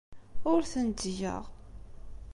Ur ten-ttgeɣ.